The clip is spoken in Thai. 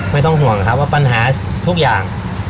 ไม่ต้องห่วงหรอกครับว่าปัญหาทุกอย่าง